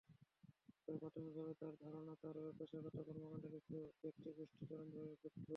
তবে প্রাথমিকভাবে তাঁর ধারণা, তাঁর পেশাগত কর্মকাণ্ডে কিছু ব্যক্তি-গোষ্ঠী চরমভাবে ক্ষুব্ধ।